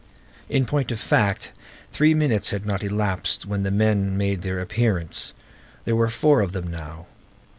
In point of fact, three minutes had not elapsed when the men made their appearance. There were four of them now.